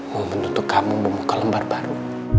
membentuk kamu memuka lembar baru